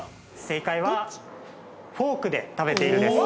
◆正解はフォークで食べているです。